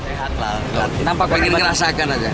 sehat lah nampak pengen ngerasakan aja